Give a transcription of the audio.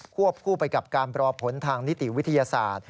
วบคู่ไปกับการรอผลทางนิติวิทยาศาสตร์